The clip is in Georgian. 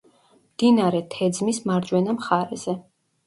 მდინარე თეძმის მარჯვენა მხარეზე.